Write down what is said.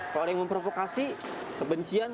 kalau ada yang memprovokasi kebencian